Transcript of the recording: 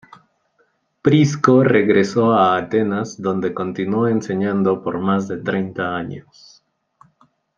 Prisco regresó a Atenas donde continuó enseñando por más de treinta años.